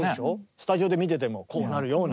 スタジオで見ててもこうなるような。